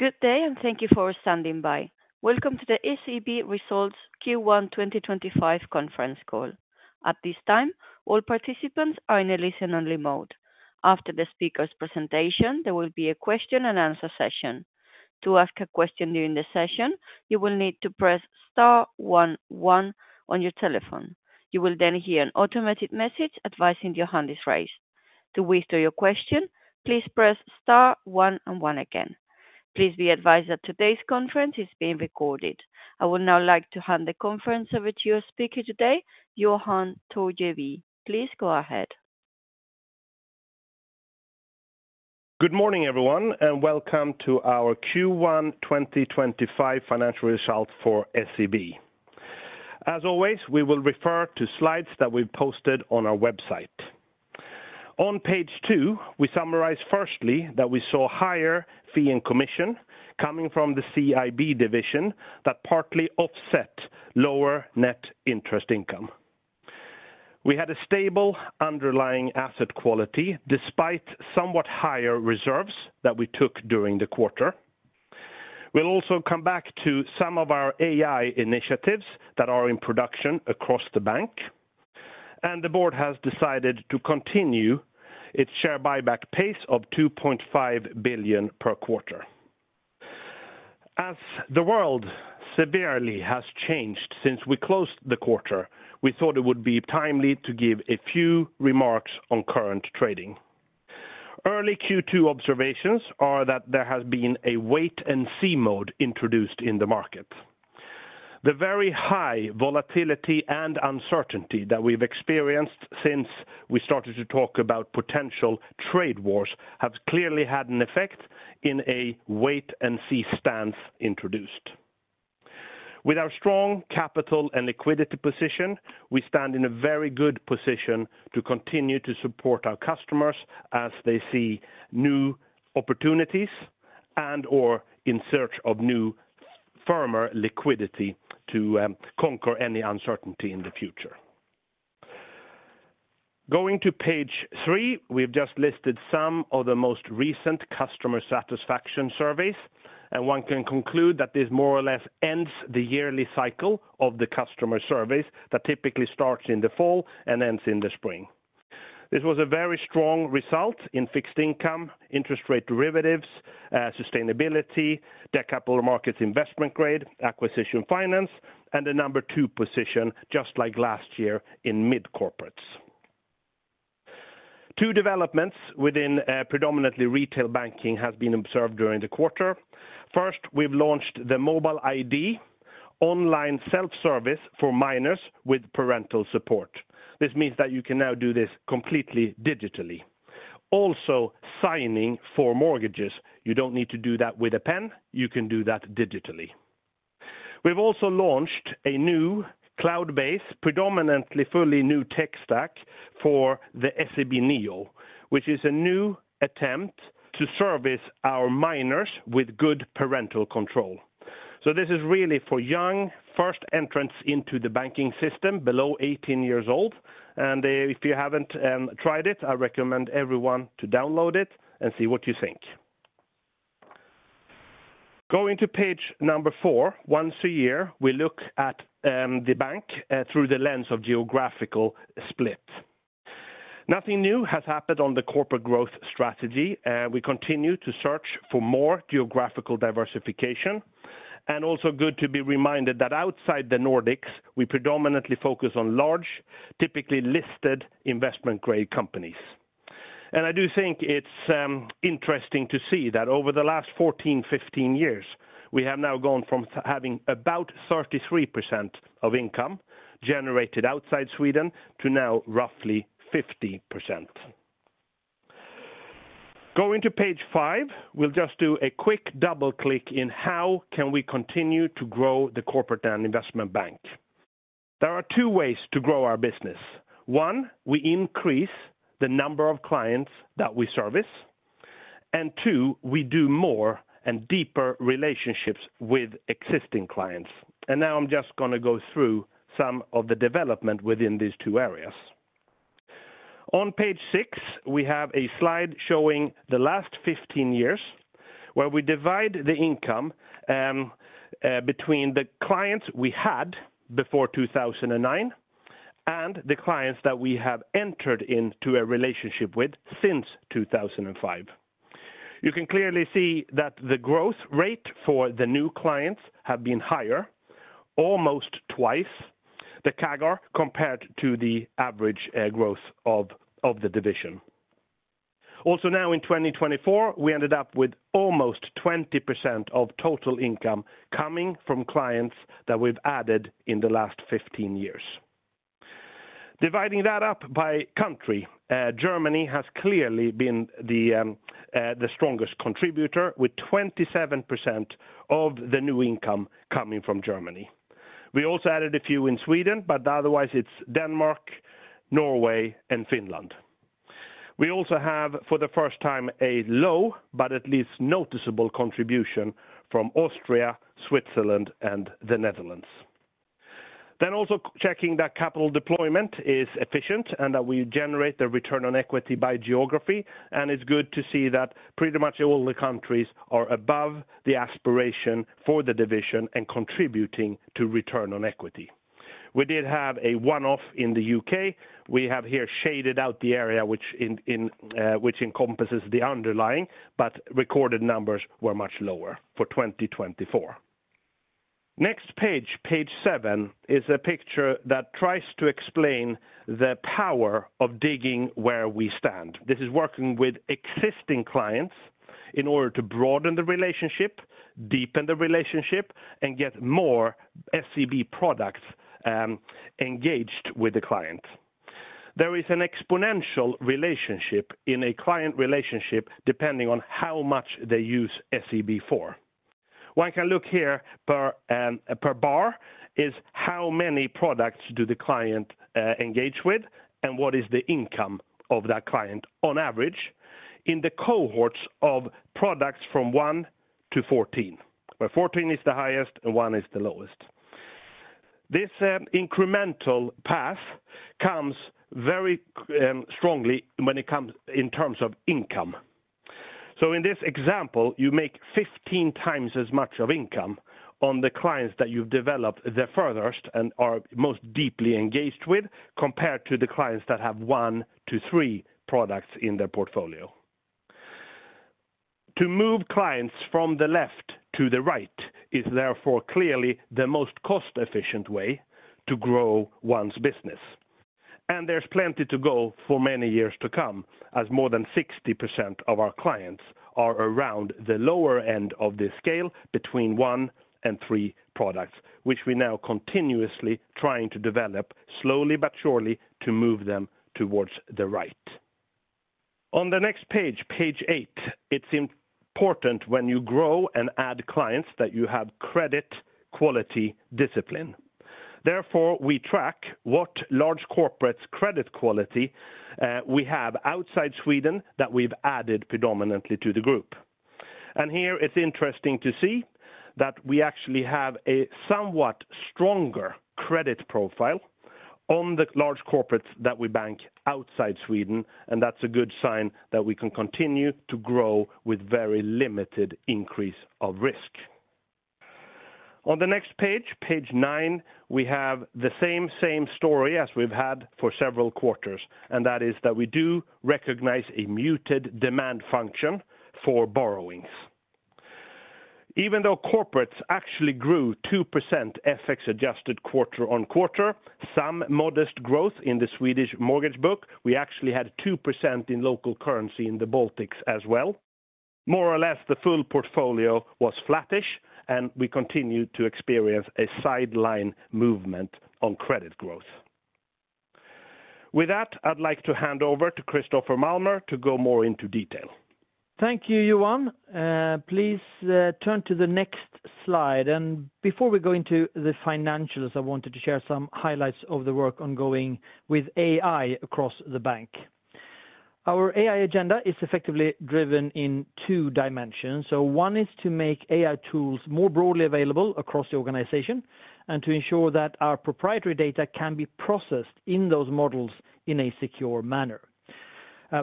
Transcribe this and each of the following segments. Good day, and thank you for standing by. Welcome to the SEB Results Q1 2025 Conference Call. At this time, all participants are in a listen-only mode. After the speaker's presentation, there will be a question-and-answer session. To ask a question during the session, you will need to press *11 on your telephone. You will then hear an automated message advising your hand is raised. To withdraw your question, please press *11 again. Please be advised that today's conference is being recorded. I would now like to hand the conference over to your speaker today, Johan Torgeby. Please go ahead. Good morning, everyone, and welcome to our Q1 2025 financial results for SEB. As always, we will refer to slides that we've posted on our website. On page two, we summarize firstly that we saw higher fee and commission coming from the CIB division that partly offset lower net interest income. We had a stable underlying asset quality despite somewhat higher reserves that we took during the quarter. We will also come back to some of our AI initiatives that are in production across the bank, and the board has decided to continue its share buyback pace of 2.5 billion per quarter. As the world severely has changed since we closed the quarter, we thought it would be timely to give a few remarks on current trading. Early Q2 observations are that there has been a wait-and-see mode introduced in the market. The very high volatility and uncertainty that we've experienced since we started to talk about potential trade wars have clearly had an effect in a wait-and-see stance introduced. With our strong capital and liquidity position, we stand in a very good position to continue to support our customers as they see new opportunities and/or in search of new, firmer liquidity to conquer any uncertainty in the future. Going to page three, we've just listed some of the most recent customer satisfaction surveys, and one can conclude that this more or less ends the yearly cycle of the customer surveys that typically starts in the fall and ends in the spring. This was a very strong result in fixed income, interest rate derivatives, sustainability, Capital markets investment grade, acquisition finance, and a number two position, just like last year in mid-corporates. Two developments within predominantly retail banking have been observed during the quarter. First, we've launched the Mobile ID online self-service for minors with parental support. This means that you can now do this completely digitally. Also, signing for mortgages, you don't need to do that with a pen; you can do that digitally. We've also launched a new cloud-based, predominantly fully new tech stack for the SEB Neo, which is a new attempt to service our minors with good parental control. This is really for young, first entrants into the banking system, below 18 years old, and if you haven't tried it, I recommend everyone to download it and see what you think. Going to page number four, once a year, we look at the bank through the lens of geographical split. Nothing new has happened on the corporate growth strategy. We continue to search for more geographical diversification, and also good to be reminded that outside the Nordics, we predominantly focus on large, typically listed investment-grade companies. I do think it's interesting to see that over the last 14-15 years, we have now gone from having about 33% of income generated outside Sweden to now roughly 50%. Going to page five, we'll just do a quick double-click in how can we continue to grow the corporate and investment bank. There are two ways to grow our business. One, we increase the number of clients that we service, and two, we do more and deeper relationships with existing clients. Now I'm just going to go through some of the development within these two areas. On page six, we have a slide showing the last 15 years where we divide the income between the clients we had before 2009 and the clients that we have entered into a relationship with since 2005. You can clearly see that the growth rate for the new clients has been higher, almost twice the CAGR compared to the average growth of the division. Also, now in 2024, we ended up with almost 20% of total income coming from clients that we've added in the last 15 years. Dividing that up by country, Germany has clearly been the strongest contributor with 27% of the new income coming from Germany. We also added a few in Sweden, but otherwise it's Denmark, Norway, and Finland. We also have, for the first time, a low but at least noticeable contribution from Austria, Switzerland, and the Netherlands. Also checking that capital deployment is efficient and that we generate the return on equity by geography, and it's good to see that pretty much all the countries are above the aspiration for the division and contributing to return on equity. We did have a one-off in the U.K. We have here shaded out the area which encompasses the underlying, but recorded numbers were much lower for 2024. Next page, page seven, is a picture that tries to explain the power of digging where we stand. This is working with existing clients in order to broaden the relationship, deepen the relationship, and get more SEB products engaged with the client. There is an exponential relationship in a client relationship depending on how much they use SEB for. One can look here per bar is how many products do the client engage with and what is the income of that client on average in the cohorts of products from 1 to 14, where 14 is the highest and 1 is the lowest. This incremental path comes very strongly when it comes in terms of income. In this example, you make 15 times as much of income on the clients that you've developed the furthest and are most deeply engaged with compared to the clients that have one to three products in their portfolio. To move clients from the left to the right is therefore clearly the most cost-efficient way to grow one's business. There is plenty to go for many years to come as more than 60% of our clients are around the lower end of the scale between one and three products, which we are now continuously trying to develop slowly but surely to move them towards the right. On the next page, page eight, it is important when you grow and add clients that you have credit quality discipline. Therefore, we track what large corporates' credit quality we have outside Sweden that we have added predominantly to the group. Here it is interesting to see that we actually have a somewhat stronger credit profile on the large corporates that we bank outside Sweden, and that is a good sign that we can continue to grow with very limited increase of risk. On the next page, page nine, we have the same story as we've had for several quarters, and that is that we do recognize a muted demand function for borrowings. Even though corporates actually grew 2% FX adjusted quarter-on-quarter, some modest growth in the Swedish mortgage book, we actually had 2% in local currency in the Baltics as well. More or less the full portfolio was flattish, and we continue to experience a sideline movement on credit growth. With that, I'd like to hand over to Christoffer Malmer to go more into detail. Thank you, Johan. Please turn to the next slide. Before we go into the financials, I wanted to share some highlights of the work ongoing with AI across the bank. Our AI agenda is effectively driven in two dimensions. One is to make AI tools more broadly available across the organization and to ensure that our proprietary data can be processed in those models in a secure manner.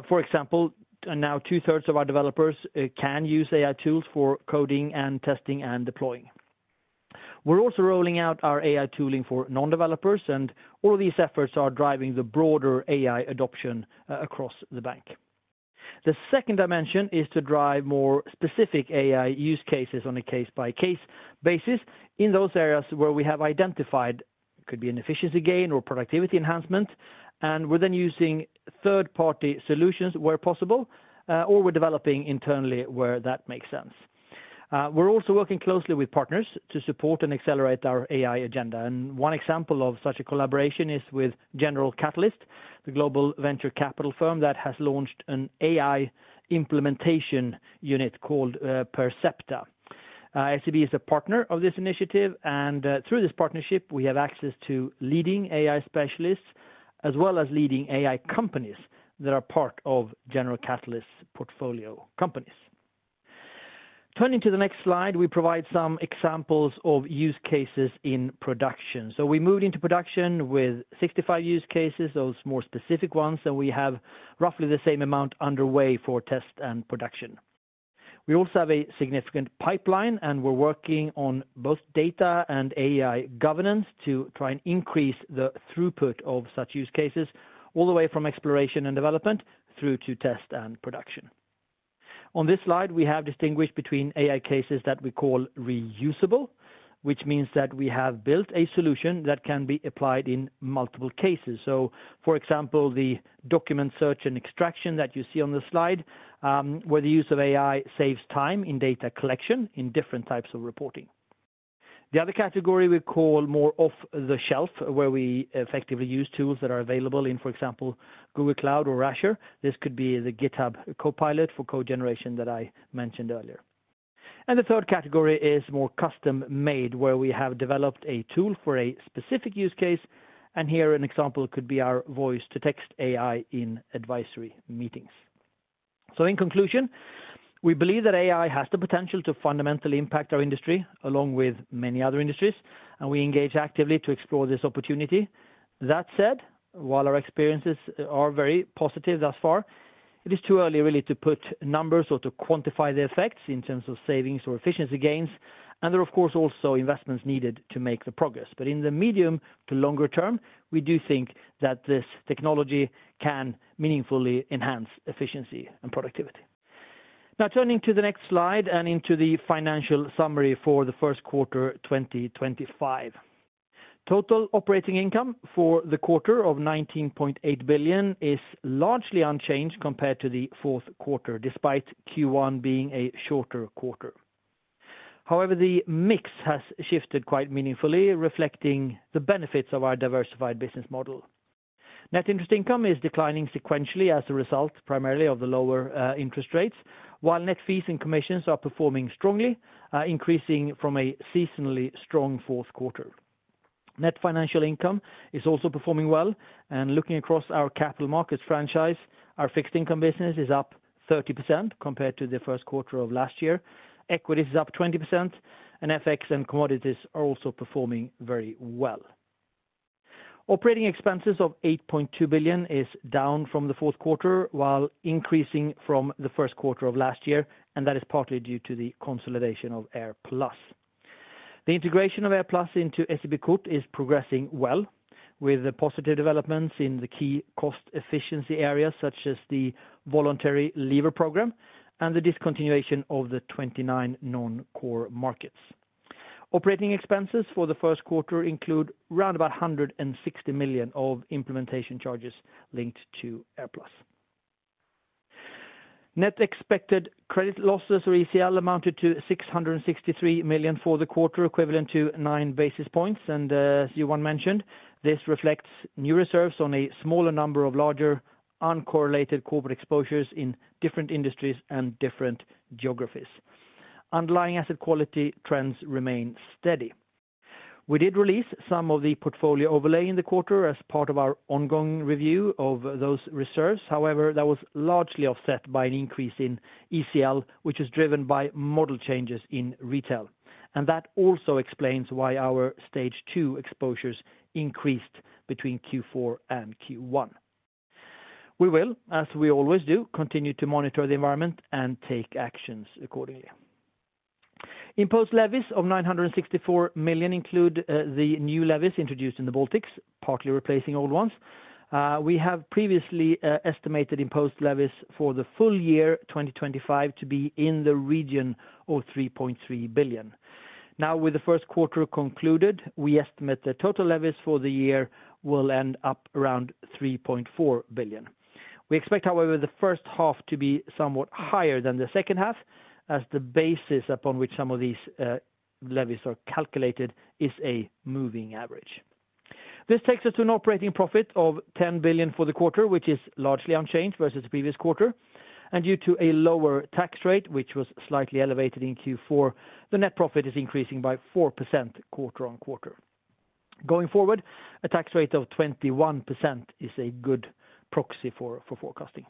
For example, now two-thirds of our developers can use AI tools for coding and testing and deploying. We are also rolling out our AI tooling for non-developers, and all of these efforts are driving the broader AI adoption across the bank. The second dimension is to drive more specific AI use cases on a case-by-case basis in those areas where we have identified could be an efficiency gain or productivity enhancement, and we are then using third-party solutions where possible or we are developing internally where that makes sense. We are also working closely with partners to support and accelerate our AI agenda. One example of such a collaboration is with General Catalyst, the global venture capital firm that has launched an AI implementation unit called Percepta. SEB is a partner of this initiative, and through this partnership, we have access to leading AI specialists as well as leading AI companies that are part of General Catalyst's portfolio companies. Turning to the next slide, we provide some examples of use cases in production. We moved into production with 65 use cases, those more specific ones, and we have roughly the same amount underway for test and production. We also have a significant pipeline, and we're working on both data and AI governance to try and increase the throughput of such use cases all the way from exploration and development through to test and production. On this slide, we have distinguished between AI cases that we call reusable, which means that we have built a solution that can be applied in multiple cases. For example, the document search and extraction that you see on the slide, where the use of AI saves time in data collection in different types of reporting. The other category we call more off the shelf, where we effectively use tools that are available in, for example, Google Cloud or Azure. This could be the GitHub Copilot for code generation that I mentioned earlier. The third category is more custom-made, where we have developed a tool for a specific use case, and here an example could be our voice-to-text AI in advisory meetings. In conclusion, we believe that AI has the potential to fundamentally impact our industry along with many other industries, and we engage actively to explore this opportunity. That said, while our experiences are very positive thus far, it is too early really to put numbers or to quantify the effects in terms of savings or efficiency gains, and there are, of course, also investments needed to make the progress. In the medium to longer term, we do think that this technology can meaningfully enhance efficiency and productivity. Now, turning to the next slide and into the financial summary for the Q1 2025. Total operating income for the quarter of 19.8 billion is largely unchanged compared to the Q4, despite Q1 being a shorter quarter. However, the mix has shifted quite meaningfully, reflecting the benefits of our diversified business model. Net interest income is declining sequentially as a result, primarily of the lower interest rates, while net fees and commissions are performing strongly, increasing from a seasonally strong Q4. Net financial income is also performing well, and looking across our capital markets franchise, our fixed income business is up 30% compared to the Q1 of last year. Equities is up 20%, and FX and commodities are also performing very well. Operating expenses of 8.2 billion is down from the Q4, while increasing from the Q1 of last year, and that is partly due to the consolidation of AirPlus. The integration of AirPlus into SEB Kort is progressing well, with the positive developments in the key cost efficiency areas such as the voluntary leaver program and the discontinuation of the 29 non-core markets. Operating expenses for the Q1 include round about 160 million of implementation charges linked to AirPlus. Net expected credit losses or ECL amounted to 663 million for the quarter, equivalent to nine basis points, and as Johan mentioned, this reflects new reserves on a smaller number of larger uncorrelated corporate exposures in different industries and different geographies. Underlying asset quality trends remain steady. We did release some of the portfolio overlay in the quarter as part of our ongoing review of those reserves. However, that was largely offset by an increase in ECL, which is driven by model changes in retail. That also explains why our Stage 2 exposures increased between Q4 and Q1. We will, as we always do, continue to monitor the environment and take actions accordingly. Imposed levies of 964 million include the new levies introduced in the Baltics, partly replacing old ones. We have previously estimated imposed levies for the full year 2025 to be in the region of 3.3 billion. Now, with the Q1 concluded, we estimate the total levies for the year will end up around 3.4 billion. We expect, however, the first half to be somewhat higher than the second half, as the basis upon which some of these levies are calculated is a moving average. This takes us to an operating profit of 10 billion for the quarter, which is largely unchanged versus the previous quarter. Due to a lower tax rate, which was slightly elevated in Q4, the net profit is increasing by 4% quarter-on-quarter. Going forward, a tax rate of 21% is a good proxy for forecasting.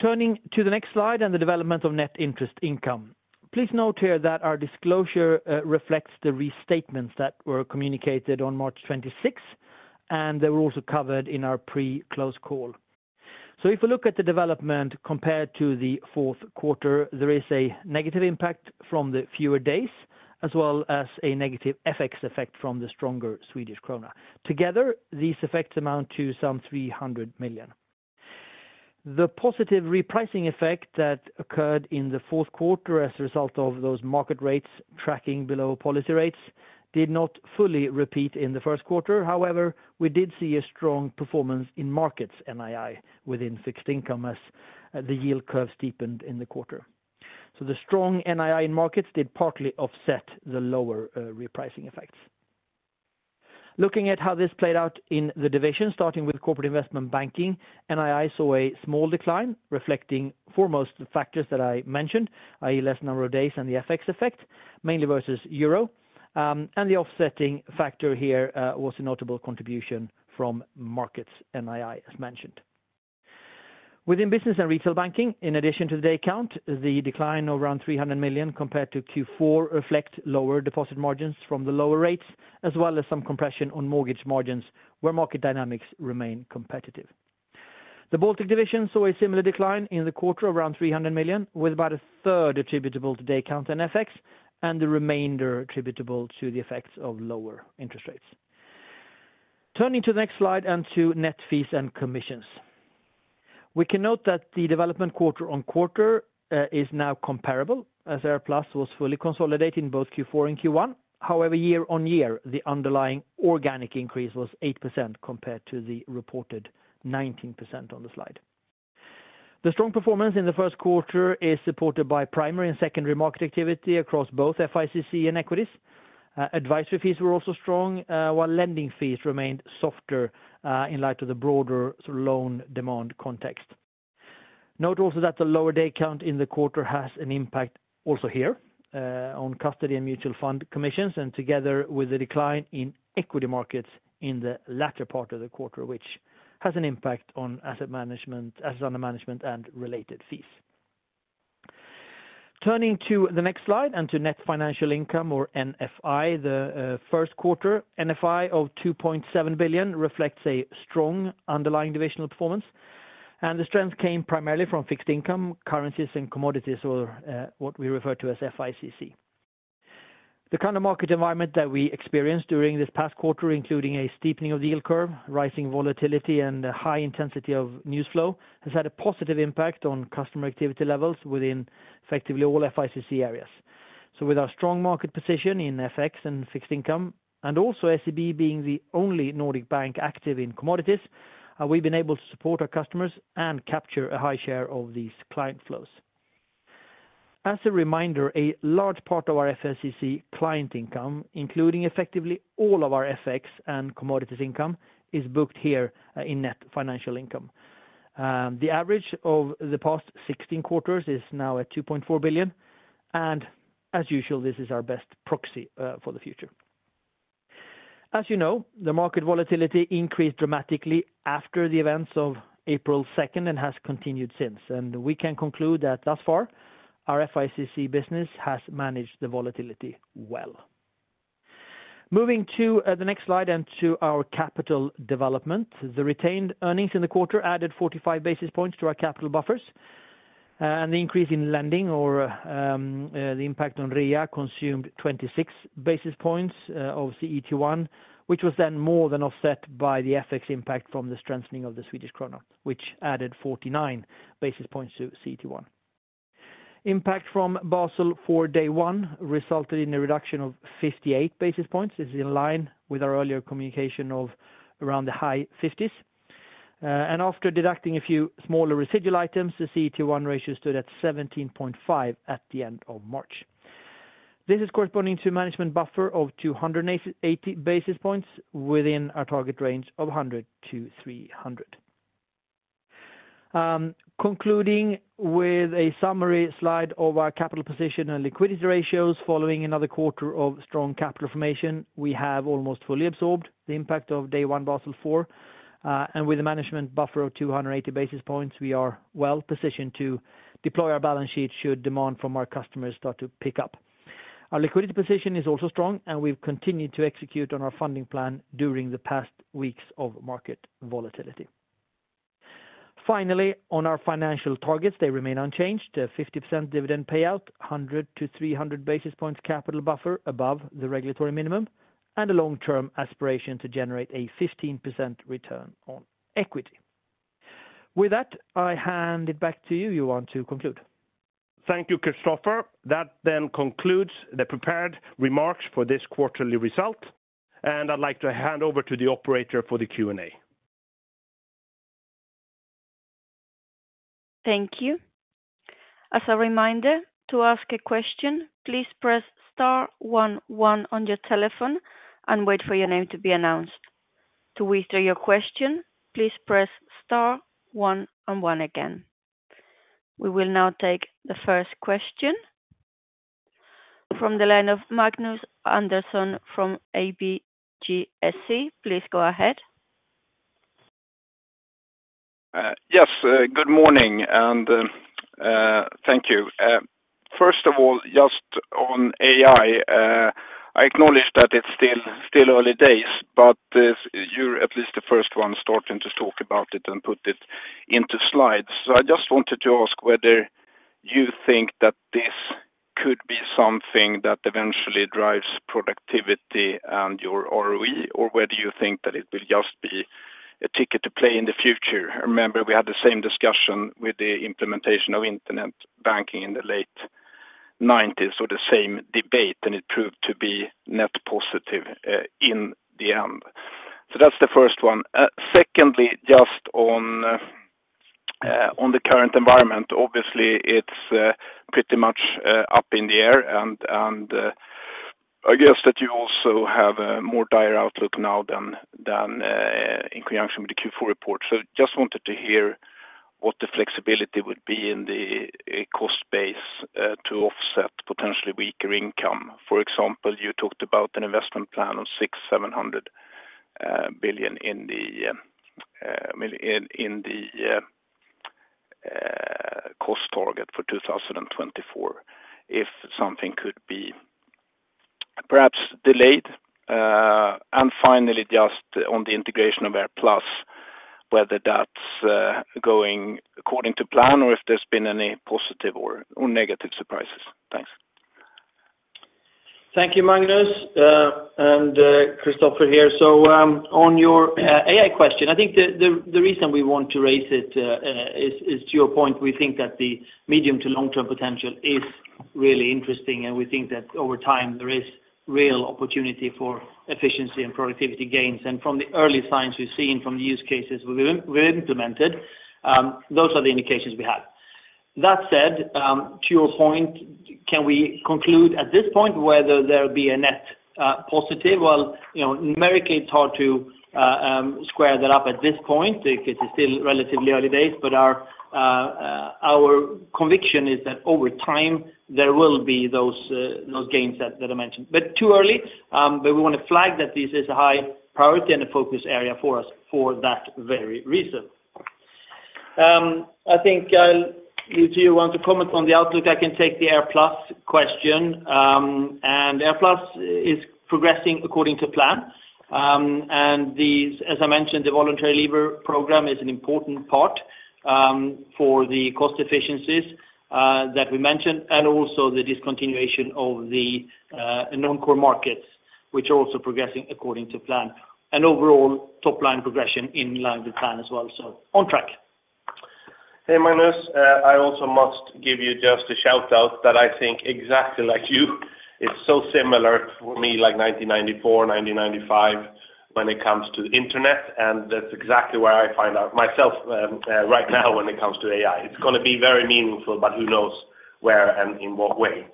Turning to the next slide and the development of net interest income. Please note here that our disclosure reflects the restatements that were communicated on March 26, and they were also covered in our pre-close call. If we look at the development compared to the Q4, there is a negative impact from the fewer days, as well as a negative FX effect from the stronger Swedish krona. Together, these effects amount to some 300 million. The positive repricing effect that occurred in the Q4 as a result of those market rates tracking below policy rates did not fully repeat in the Q1. However, we did see a strong performance in Markets NII within fixed income as the yield curve steepened in the quarter. The strong NII in Markets did partly offset the lower repricing effects. Looking at how this played out in the division, starting with Corporate Investment Banking, NII saw a small decline, reflecting foremost the factors that I mentioned, i.e., less number of days and the FX effect, mainly versus EUR. The offsetting factor here was a notable contribution from Markets NII, as mentioned. Within Business and Retail Banking, in addition to the day count, the decline of around 300 million compared to Q4 reflects lower deposit margins from the lower rates, as well as some compression on mortgage margins where market dynamics remain competitive. The Baltic division saw a similar decline in the quarter of around 300 million, with about a third attributable to day count and FX, and the remainder attributable to the effects of lower interest rates. Turning to the next slide and to net fees and commissions. We can note that the development quarter on quarter is now comparable as AirPlus was fully consolidating both Q4 and Q1. However, year-on-year, the underlying organic increase was 8% compared to the reported 19% on the slide. The strong performance in the Q1 is supported by primary and secondary market activity across both FICC and equities. Advisory fees were also strong, while lending fees remained softer in light of the broader loan demand context. Note also that the lower day count in the quarter has an impact also here on custody and mutual fund commissions, and together with the decline in equity markets in the latter part of the quarter, which has an impact on asset management, asset under management, and related fees. Turning to the next slide and to net financial income or NFI, the Q1 NFI of 2.7 billion reflects a strong underlying divisional performance, and the strength came primarily from fixed income, currencies, and commodities, or what we refer to as FICC. The kind of market environment that we experienced during this past quarter, including a steepening of the yield curve, rising volatility, and the high intensity of news flow, has had a positive impact on customer activity levels within effectively all FICC areas. With our strong market position in FX and fixed income, and also SEB being the only Nordic bank active in commodities, we have been able to support our customers and capture a high share of these client flows. As a reminder, a large part of our FICC client income, including effectively all of our FX and commodities income, is booked here in net financial income. The average of the past 16 quarters is now at 2.4 billion, and as usual, this is our best proxy for the future. As you know, the market volatility increased dramatically after the events of April 2 and has continued since, and we can conclude that thus far, our FICC business has managed the volatility well. Moving to the next slide and to our capital development, the retained earnings in the quarter added 45 basis points to our capital buffers, and the increase in lending or the impact on REA consumed 26 basis points of CET1, which was then more than offset by the FX impact from the strengthening of the Swedish krona, which added 49 basis points to CET1. Impact from Basel IV Day 1 resulted in a reduction of 58 basis points. This is in line with our earlier communication of around the high 50s. After deducting a few smaller residual items, the CET1 ratio stood at 17.5 at the end of March. This is corresponding to a management buffer of 280 basis points within our target range of 100-300. Concluding with a summary slide of our capital position and liquidity ratios, following another quarter of strong capital formation, we have almost fully absorbed the impact of Day 1 Basel IV, and with a management buffer of 280 basis points, we are well positioned to deploy our balance sheet should demand from our customers start to pick up. Our liquidity position is also strong, and we've continued to execute on our funding plan during the past weeks of market volatility. Finally, on our financial targets, they remain unchanged. A 50% dividend payout, 100-300 basis points capital buffer above the regulatory minimum, and a long-term aspiration to generate a 15% return on equity. With that, I hand it back to you, Johan, to conclude. Thank you, Christoffer. That then concludes the prepared remarks for this quarterly result, and I'd like to hand over to the operator for the Q&A. Thank you. As a reminder, to ask a question, please press star 1, 1 on your telephone and wait for your name to be announced. To withdraw your question, please press star 1, 1 again. We will now take the first question from the line of Magnus Andersson from ABG Sundal Collier. Please go ahead. Yes, good morning, and thank you. First of all, just on AI, I acknowledge that it is still early days, but you are at least the first one starting to talk about it and put it into slides. I just wanted to ask whether you think that this could be something that eventually drives productivity and your ROE, or whether you think that it will just be a ticket to play in the future. Remember, we had the same discussion with the implementation of internet banking in the late 1990s, or the same debate, and it proved to be net positive in the end. That is the first one. Secondly, just on the current environment, obviously it is pretty much up in the air, and I guess that you also have a more dire outlook now than in conjunction with the Q4 report. I just wanted to hear what the flexibility would be in the cost base to offset potentially weaker income. For example, you talked about an investment plan of 6-7 billion in the cost target for 2024, if something could be perhaps delayed. Finally, just on the integration of AirPlus, whether that is going according to plan or if there have been any positive or negative surprises. Thanks. Thank you, Magnus and Christoffer here. On your AI question, I think the reason we want to raise it is to your point. We think that the medium to long-term potential is really interesting, and we think that over time there is real opportunity for efficiency and productivity gains. From the early signs we've seen from the use cases we've implemented, those are the indications we have. That said, to your point, can we conclude at this point whether there'll be a net positive? Numerically, it's hard to square that up at this point because it's still relatively early days, but our conviction is that over time there will be those gains that I mentioned. Too early, but we want to flag that this is a high priority and a focus area for us for that very reason. I think you want to comment on the outlook. I can take the AirPlus question. AirPlus is progressing according to plan. As I mentioned, the voluntary lever program is an important part for the cost efficiencies that we mentioned, and also the discontinuation of the non-core markets, which are also progressing according to plan. Overall, top-line progression in line with plan as well. On track. Hey, Magnus, I also must give you just a shout-out that I think exactly like you. It's so similar for me, like 1994, 1995, when it comes to the internet. That's exactly where I find out myself right now when it comes to AI. It's going to be very meaningful, but who knows where and in what way.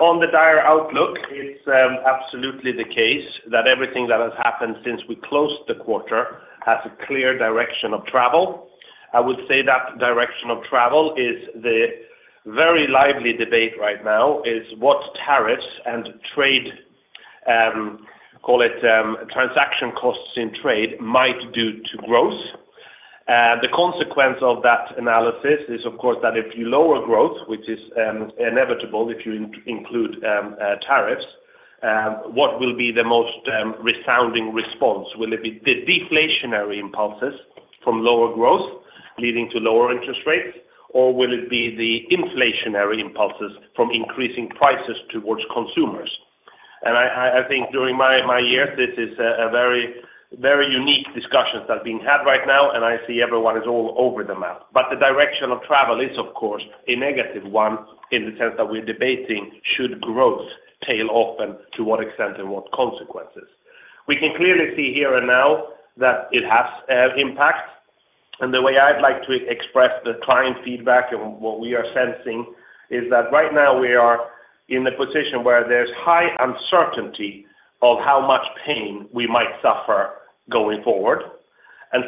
On the dire outlook, it's absolutely the case that everything that has happened since we closed the quarter has a clear direction of travel. I would say that direction of travel is the very lively debate right now, is what tariffs and trade, call it transaction costs in trade, might do to growth. The consequence of that analysis is, of course, that if you lower growth, which is inevitable if you include tariffs, what will be the most resounding response? Will it be the deflationary impulses from lower growth leading to lower interest rates, or will it be the inflationary impulses from increasing prices towards consumers? I think during my years, this is a very unique discussion that's being had right now, and I see everyone is all over the map. The direction of travel is, of course, a negative one in the sense that we're debating should growth tail off and to what extent and what consequences. We can clearly see here and now that it has an impact. The way I'd like to express the client feedback and what we are sensing is that right now we are in the position where there's high uncertainty of how much pain we might suffer going forward.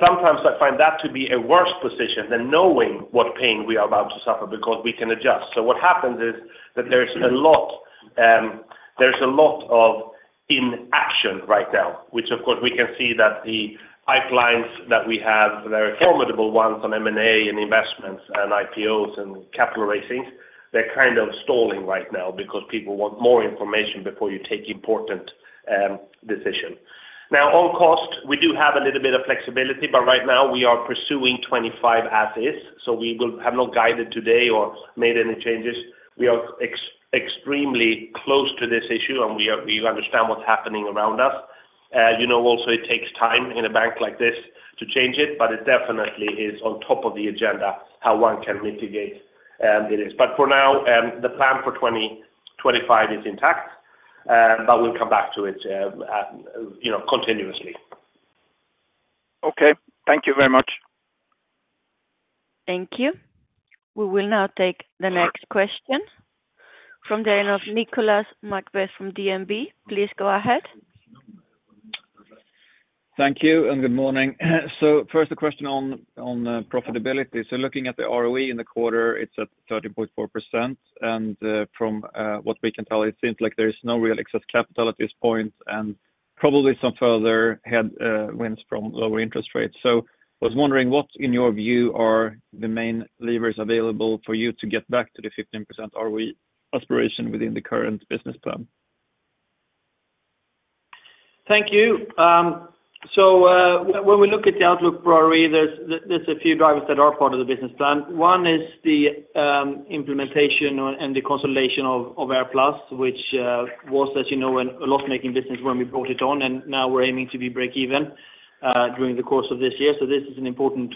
Sometimes I find that to be a worse position than knowing what pain we are about to suffer because we can adjust. What happens is that there's a lot of inaction right now, which, of course, we can see that the pipelines that we have, they're formidable ones on M&A and investments and IPOs and capital raisings. They're kind of stalling right now because people want more information before you take important decisions. Now, on cost, we do have a little bit of flexibility, but right now we are pursuing 2025 as is. We have not guided today or made any changes. We are extremely close to this issue, and we understand what's happening around us. You know also it takes time in a bank like this to change it, but it definitely is on top of the agenda how one can mitigate it. For now, the plan for 2025 is intact, but we'll come back to it continuously. Okay. Thank you very much. Thank you. We will now take the next question from the line of Nicolas McBeath from DNB Markets. Please go ahead. Thank you and good morning. First, a question on profitability. Looking at the ROE in the quarter, it's at 13.4%. From what we can tell, it seems like there is no real excess capital at this point and probably some further headwinds from lower interest rates. I was wondering what, in your view, are the main levers available for you to get back to the 15% ROE aspiration within the current business plan? Thank you. When we look at the outlook for ROE, there's a few drivers that are part of the business plan. One is the implementation and the consolidation of AirPlus, which was, as you know, a loss-making business when we brought it on, and now we're aiming to be break-even during the course of this year. This is an important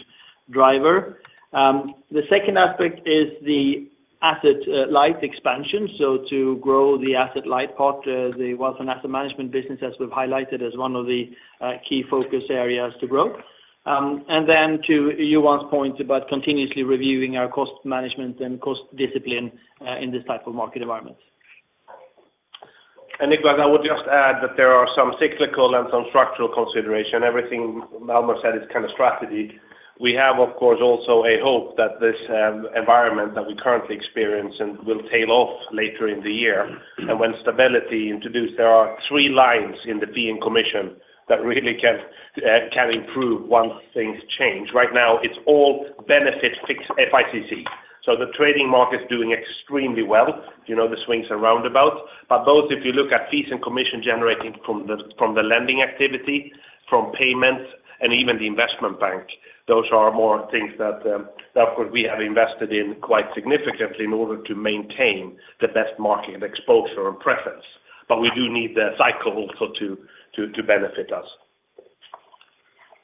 driver. The second aspect is the asset-light expansion. To grow the asset-light part, the wealth and asset management business, as we've highlighted as one of the key focus areas to grow. Then to Johan's point about continuously reviewing our cost management and cost discipline in this type of market environment. Nicholas, I would just add that there are some cyclical and some structural considerations. Everything Alma said is kind of strategy. We have, of course, also a hope that this environment that we currently experience will tail off later in the year. When stability is introduced, there are three lines in the fee and commission that really can improve once things change. Right now, it is all benefit-fixed FICC. The trading market is doing extremely well. You know the swings around about. Both if you look at fees and commission generating from the lending activity, from payments, and even the investment bank, those are more things that, of course, we have invested in quite significantly in order to maintain the best market exposure and preference. We do need the cycle also to benefit us.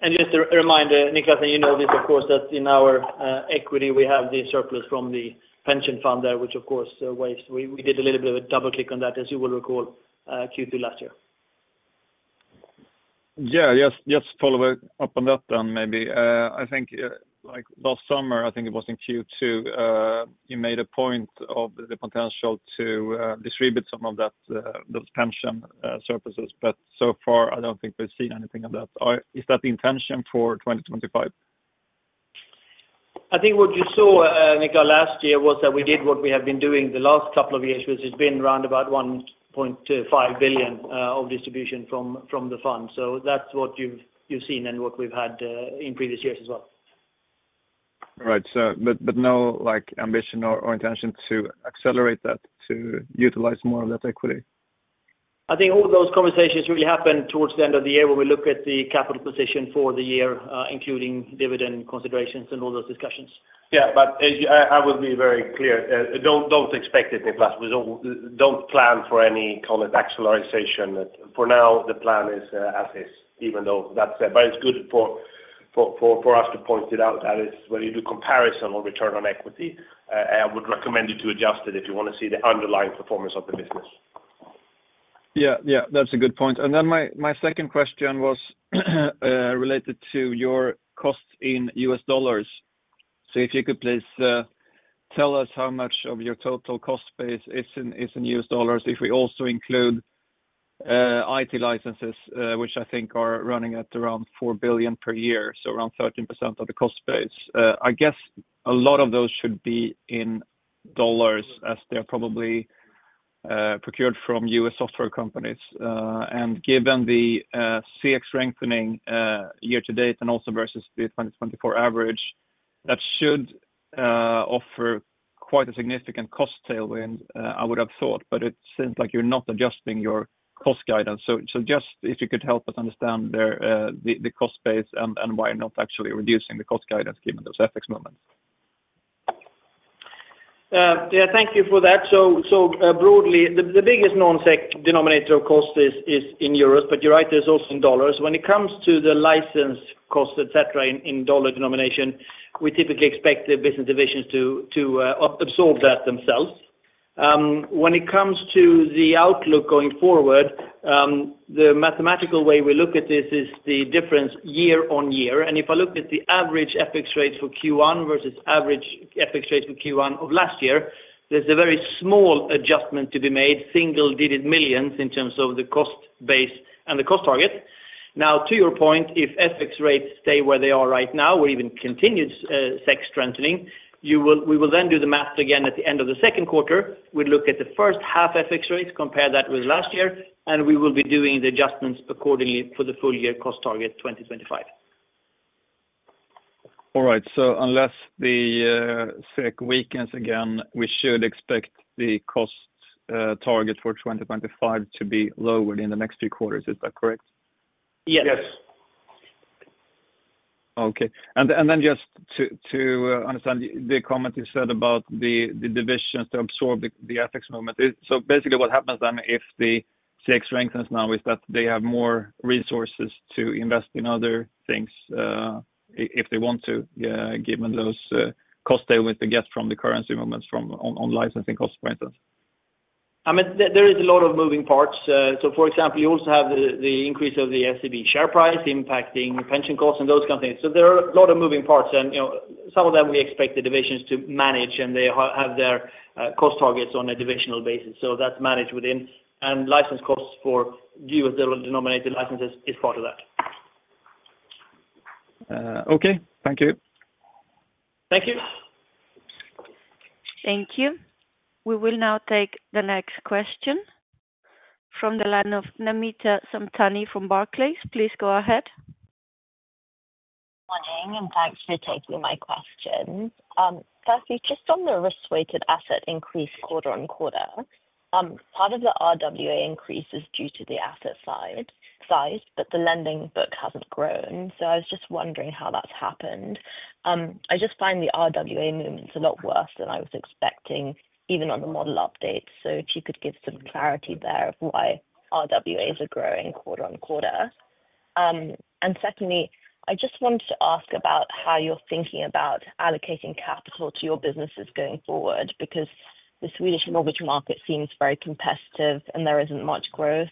Just a reminder, Nicholas, and you know this, of course, that in our equity, we have the surplus from the pension fund there, which, of course, we did a little bit of a double-click on that, as you will recall, Q2 last year. Yeah, just follow up on that then maybe. I think last summer, I think it was in Q2, you made a point of the potential to distribute some of those pension surpluses. So far, I do not think we have seen anything of that. Is that the intention for 2025? I think what you saw, Nicholas, last year was that we did what we have been doing the last couple of years, which has been round about 1.5 billion of distribution from the fund. That is what you have seen and what we have had in previous years as well. Right. No ambition or intention to accelerate that, to utilize more of that equity? I think all those conversations really happen towards the end of the year when we look at the capital position for the year, including dividend considerations and all those discussions. Yeah, I will be very clear. Do not expect it, Nicholas. Do not plan for any kind of acceleration. For now, the plan is as is, even though that is good for us to point it out that when you do comparison on return on equity, I would recommend you to adjust it if you want to see the underlying performance of the business. Yeah, yeah. That is a good point. My second question was related to your costs in U.S. dollars. If you could please tell us how much of your total cost base is in U.S. dollars if we also include IT licenses, which I think are running at around 4 billion per year, so around 13% of the cost base. I guess a lot of those should be in dollars as they're probably procured from U.S. software companies. Given the SEK strengthening year to date and also versus the 2024 average, that should offer quite a significant cost tailwind, I would have thought, but it seems like you're not adjusting your cost guidance. If you could help us understand the cost base and why you're not actually reducing the cost guidance given those FX moments. Thank you for that. Broadly, the biggest non-SEK denominator of cost is in euros, but you're right, there's also in dollars. When it comes to the license cost, etc., in dollar denomination, we typically expect the business divisions to absorb that themselves. When it comes to the outlook going forward, the mathematical way we look at this is the difference year-on-year. If I look at the average FX rate for Q1 versus average FX rate for Q1 of last year, there is a very small adjustment to be made, single-digit millions in terms of the cost base and the cost target. Now, to your point, if FX rates stay where they are right now or even continue SEK strengthening, we will then do the math again at the end of the Q2. We look at the first half FX rates, compare that with last year, and we will be doing the adjustments accordingly for the full year cost target 2025. All right. Unless the SEK weakens again, we should expect the cost target for 2025 to be lowered in the next few quarters. Is that correct? Yes. Yes. Okay. Just to understand the comment you said about the divisions to absorb the FX movement, basically what happens if the SEK strengthens now is that they have more resources to invest in other things if they want to, given those cost tailwinds they get from the currency movements on licensing costs, for instance? There are a lot of moving parts. For example, you also have the increase of the SEB share price impacting pension costs and those kinds of things. There are a lot of moving parts. Some of them we expect the divisions to manage, and they have their cost targets on a divisional basis. That is managed within. License costs for US dollar denominated licenses is part of that. Okay. Thank you. Thank you. Thank you. We will now take the next question from the line of Namita Samtani from Barclays. Please go ahead. Good morning, and thanks for taking my question. Firstly, just on the risk-weighted asset increase quarter-on-quarter, part of the RWA increase is due to the asset size, but the lending book hasn't grown. I was just wondering how that's happened. I just find the RWA movements a lot worse than I was expecting, even on the model update. If you could give some clarity there of why RWAs are growing quarter-on-quarter. Secondly, I just wanted to ask about how you're thinking about allocating capital to your businesses going forward because the Swedish mortgage market seems very competitive and there isn't much growth.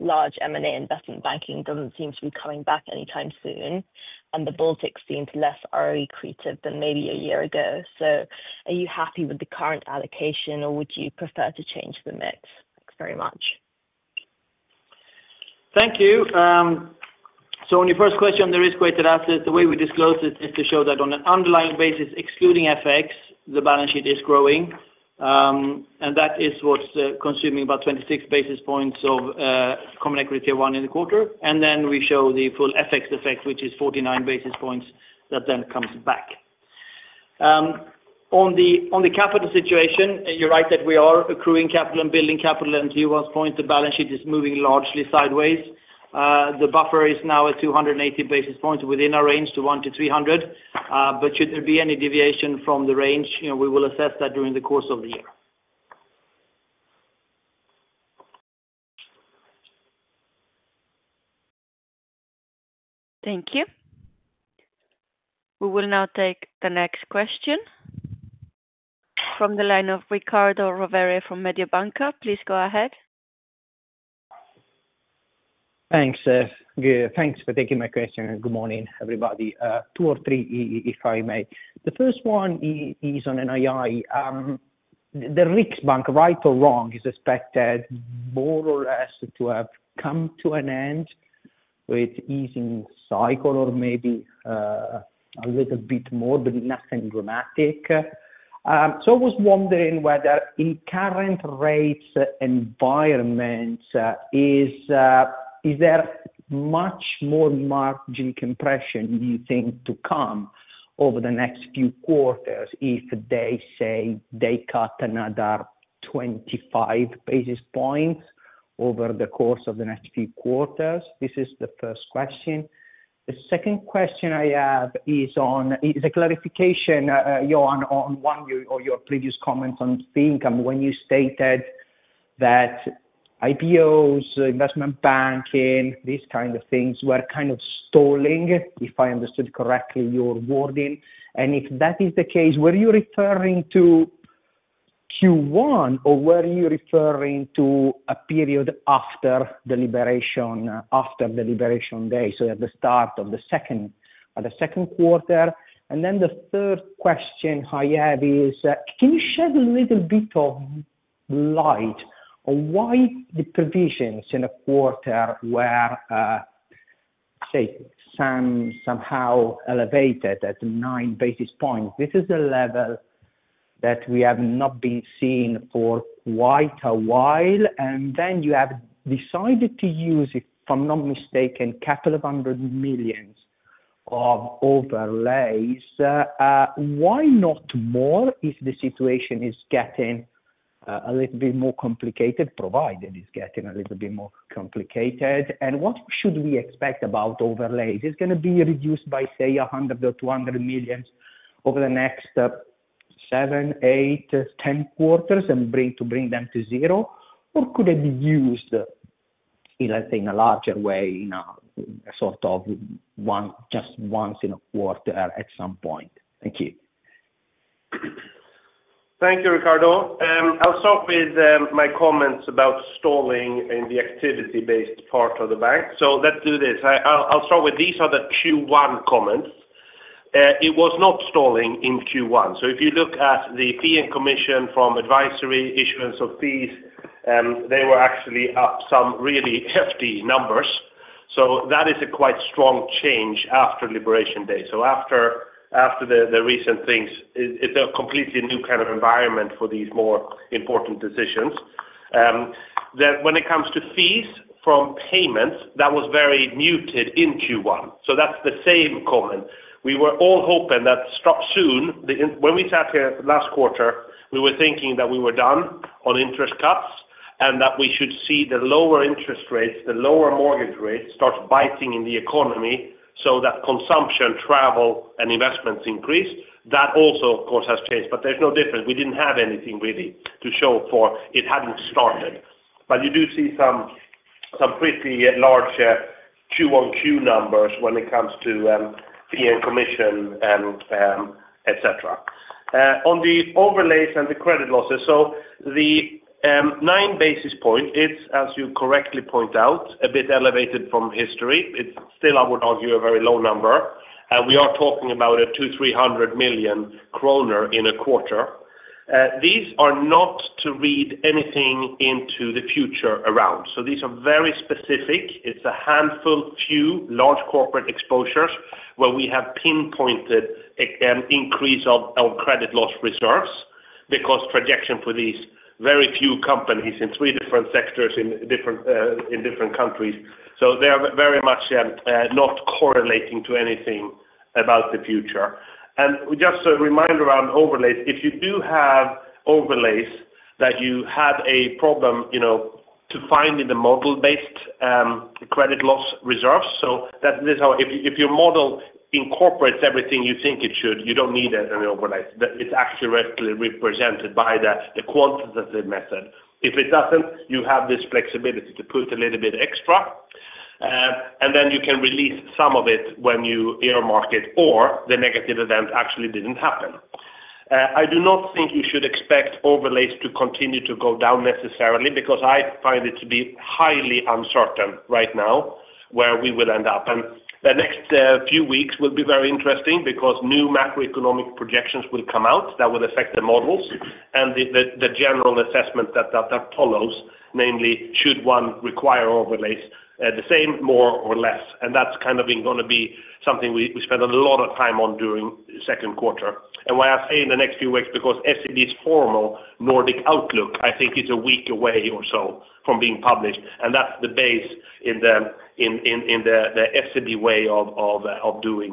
Large M&A investment banking does not seem to be coming back anytime soon. The Baltics seemed less ROE creative than maybe a year ago. Are you happy with the current allocation, or would you prefer to change the mix? Thanks very much. Thank you. On your first question, the risk-weighted asset, the way we disclose it is to show that on an underlying basis, excluding FX, the balance sheet is growing. That is what is consuming about 26 basis points of Common Equity Tier 1 in the quarter. We show the full FX effect, which is 49 basis points that then comes back. On the capital situation, you are right that we are accruing capital and building capital. To Johan's point, the balance sheet is moving largely sideways. The buffer is now at 280 basis points within our range to 1-300. Should there be any deviation from the range, we will assess that during the course of the year. Thank you. We will now take the next question from the line of Riccardo Rovere from Mediobanca. Please go ahead. Thanks, Seth. Thanks for taking my question. Good morning, everybody. Two or three, if I may. The first one is on NII. The Riksbank, right or wrong, is expected more or less to have come to an end with easing cycle or maybe a little bit more, but nothing dramatic. I was wondering whether in current rates environment, is there much more margin compression, do you think, to come over the next few quarters if they say they cut another 25 basis points over the course of the next few quarters? This is the first question. The second question I have is a clarification, Johan, on one of your previous comments on think and when you stated that IPOs, investment banking, these kinds of things were kind of stalling, if I understood correctly your wording. If that is the case, were you referring to Q1 or were you referring to a period after the deliberation day, so at the start of the Q2? The third question I have is, can you shed a little bit of light on why the provisions in a quarter were, say, somehow elevated at 9 basis points? This is a level that we have not been seeing for quite a while. You have decided to use, if I'm not mistaken, a couple of hundred millions of overlays. Why not more if the situation is getting a little bit more complicated, provided it's getting a little bit more complicated? What should we expect about overlays? Is it going to be reduced by, say, 100 million or 200 million over the next seven, eight, ten quarters and bring them to zero? Or could it be used in a larger way in a sort of just once in a quarter at some point? Thank you. Thank you, Ricardo. I'll start with my comments about stalling in the activity-based part of the bank. Let's do this. I'll start with these are the Q1 comments. It was not stalling in Q1. If you look at the fee and commission from advisory issuance of fees, they were actually up some really hefty numbers. That is a quite strong change after Liberation Day. After the recent things, it's a completely new kind of environment for these more important decisions. When it comes to fees from payments, that was very muted in Q1. That's the same comment. We were all hoping that soon, when we sat here last quarter, we were thinking that we were done on interest cuts and that we should see the lower interest rates, the lower mortgage rates start biting in the economy so that consumption, travel, and investments increase. That also, of course, has changed. There's no difference. We didn't have anything really to show for it, hadn't started. You do see some pretty large Q1Q numbers when it comes to fee and commission, etc. On the overlays and the credit losses, the 9 basis point, as you correctly point out, is a bit elevated from history. It's still, I would argue, a very low number. We are talking about 2,300 million kronor in a quarter. These are not to read anything into the future around. These are very specific. It's a handful, few large corporate exposures where we have pinpointed an increase of credit loss reserves because projection for these very few companies in three different sectors in different countries. They are very much not correlating to anything about the future. Just a reminder around overlays, if you do have overlays that you have a problem to find in the model-based credit loss reserves, that is how if your model incorporates everything you think it should, you don't need an overlay. It's accurately represented by the quantitative method. If it doesn't, you have this flexibility to put a little bit extra. You can release some of it when you earmark it or the negative event actually did not happen. I do not think you should expect overlays to continue to go down necessarily because I find it to be highly uncertain right now where we will end up. The next few weeks will be very interesting because new macroeconomic projections will come out that will affect the models and the general assessment that follows, namely, should one require overlays the same, more, or less. That is going to be something we spend a lot of time on during the Q2. I say in the next few weeks because SEB's formal Nordic outlook, I think, is a week away or so from being published. That is the base in the SEB way of doing